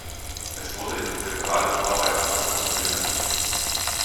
Es wurde in Zentrales Arbeitslager umbenannt.